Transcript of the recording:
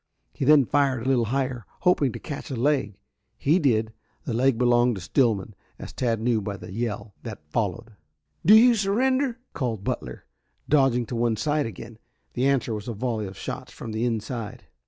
He then fired a little higher, hoping to catch a leg. He did. The leg belonged to Stillman, as Tad knew by the yell that followed. "Do you surrender?" called Butler, dodging to one side again. The answer was a volley of shots from the inside.